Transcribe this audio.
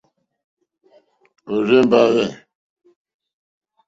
Òrzèmbá hwɛ̂.